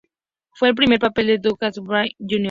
Fue el primer papel de Douglas Fairbanks Jr.